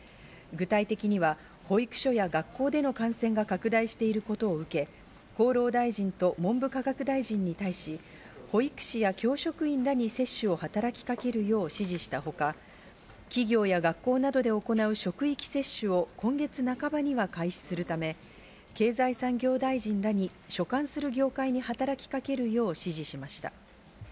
具体的には、保育所や学校での感染が拡大していることを受け、厚労大臣と文部科学大臣に対し、保育士や教職員らに接種を働きかけるよう指示したほか、企業や学校などで行う職域接種を今月半ばには開始するため、経済産業大臣らに所管する業界に働きかけるよう、指示しました。